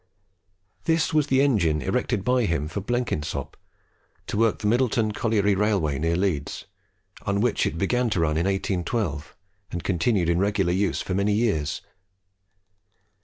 This was the engine erected by him for Blenkinsop, to work the Middleton colliery railway near Leeds, on which it began to run in 1812, and continued in regular use for many years.